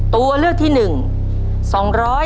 ตัวเลือกที่หนึ่ง๒๔๕ตารางกิโลเมตร